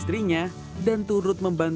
sudah hampir sepuluh tahun